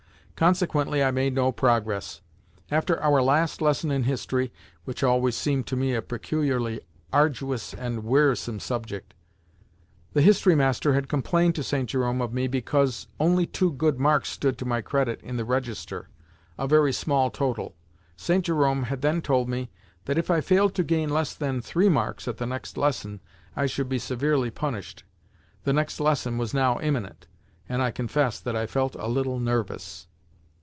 Consequently I made no progress. After our last lesson in history (which always seemed to me a peculiarly arduous and wearisome subject) the history master had complained to St. Jerome of me because only two good marks stood to my credit in the register—a very small total. St. Jerome had then told me that if I failed to gain less than three marks at the next lesson I should be severely punished. The next lesson was now imminent, and I confess that I felt a little nervous.